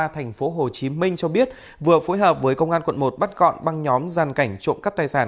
tp hcm cho biết vừa phối hợp với công an quận một bắt gọn băng nhóm gian cảnh trộm cắp tài sản